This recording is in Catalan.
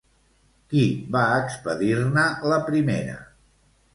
Qui va expedir-ne la primera?